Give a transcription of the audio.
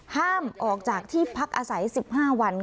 ห้ามออกจากที่พักอาศัย๑๕วัน